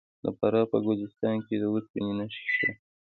د فراه په ګلستان کې د وسپنې نښې شته.